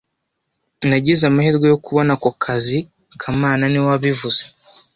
Nagize amahirwe yo kubona ako kazi kamana niwe wabivuze